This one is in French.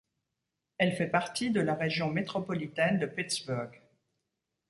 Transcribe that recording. Elle fait partie de la région métropolitaine de Pittsburgh.